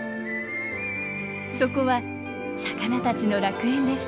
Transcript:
そこは魚たちの楽園です。